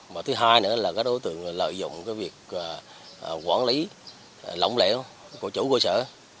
và thứ hai nữa là các đối tượng lợi dụng việc quản lý lỏng lẻo của chủ cơ sở